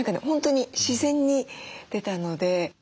本当に自然に出たので。